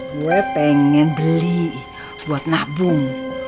gue pengen beli buat nabung